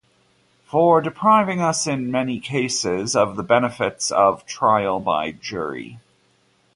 For depriving us in many cases, of the benefits of Trial by Jury: